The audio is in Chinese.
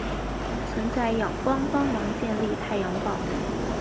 曾在仰光帮助建立太阳报。